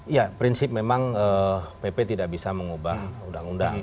ya prinsip memang pp tidak bisa mengubah undang undang